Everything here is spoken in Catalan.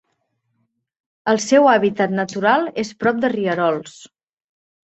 El seu hàbitat natural és prop de rierols.